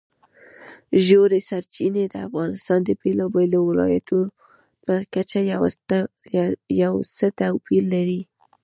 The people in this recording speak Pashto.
ژورې سرچینې د افغانستان د بېلابېلو ولایاتو په کچه یو څه توپیر لري.